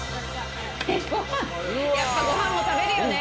やっぱご飯も食べるよね。